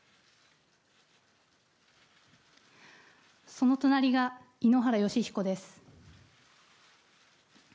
その隣が井ノ原快彦です。